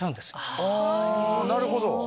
なるほど！